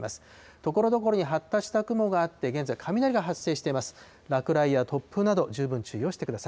ところどころに発達した雲があって、現在雷が発生しています。